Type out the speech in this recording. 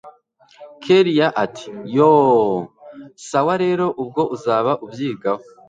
kellia ati yoooh! sawa rero ubwo uzaba ubyigaho